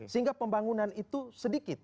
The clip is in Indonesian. sehingga pembangunan itu sedikit